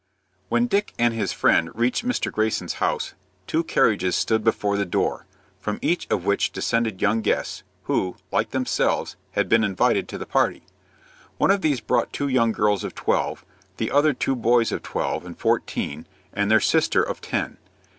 When Dick and his friend reached Mr. Greyson's house, two carriages stood before the door, from each of which descended young guests, who, like themselves, had been invited to the party. One of these brought two young girls of twelve, the other two boys of twelve and fourteen, and their sister of ten.